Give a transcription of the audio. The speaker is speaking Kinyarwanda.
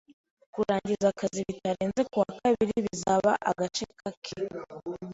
Kurangiza akazi bitarenze kuwa kabiri bizaba agace kake.